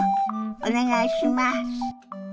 お願いします！